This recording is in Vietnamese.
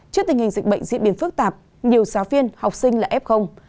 trước tình hình dịch bệnh diễn biến phức tạp nhiều giáo viên học sinh là ép không